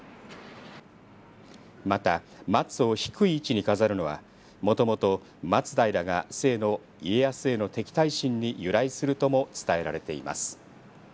また、松を低い位置に飾るのはもともと松平が家康への敵対心に由来するとも伝えられています。